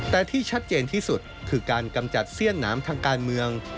แต่ที่ชัดเจนที่สุดคือการกำจัดเสี้ยนหนามทางการเมือง